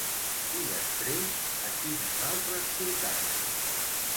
I després a quines altres ciutats?